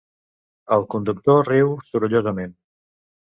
El conductor riu sorollosament.